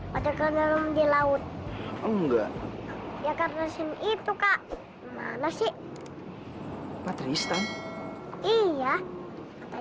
mereka juga akan bekerja dengan dirinya